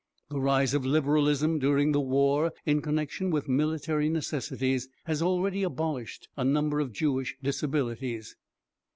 The rise of Liberalism during the war, in connection with military necessities, had already abolished a number of Jewish disabilities.